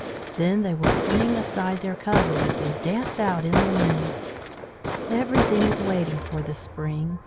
Then they will fling aside their coverings and dance out in the wind. "Everything is waiting for the spring.